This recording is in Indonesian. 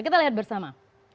kita lihat bersama